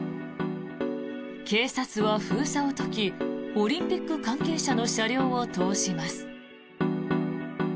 警察は封鎖を解きオリンピック関係者の車両を通します。